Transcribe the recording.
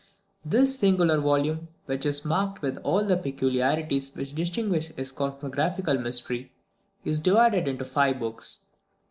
This singular volume, which is marked with all the peculiarities which distinguish his Cosmographical Mystery, is divided into five books.